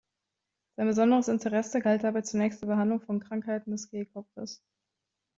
Sein besonderes Interesse galt dabei zunächst der Behandlung von Krankheiten des Kehlkopfes.